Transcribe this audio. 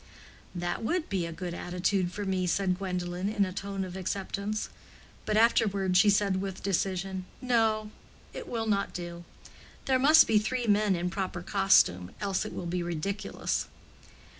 "That would be a good attitude for me," said Gwendolen, in a tone of acceptance. But afterward she said with decision, "No. It will not do. There must be three men in proper costume, else it will be ridiculous."